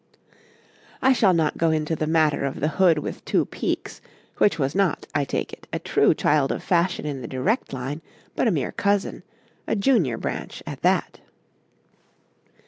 I shall not go into the matter of the hood with two peaks, which was not, I take it, a true child of fashion in the direct line, but a mere cousin a junior branch at that.